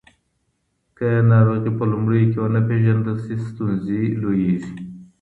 که ناروغي په لومړیو کې ونه پیژندل شي، ستونزې لویېږي.